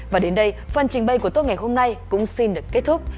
và đến đây phần trình bày của tôi ngày hôm nay cũng xin được kết thúc